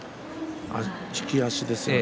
利き足ですよね